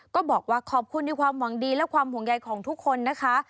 ก็บอกว่าขอบคุณในความหวังดีและความห่วงใยของทุกคนนะคะ